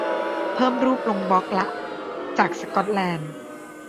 เพิ่มรูปลงบล็อกละ จากสกอตแลนด์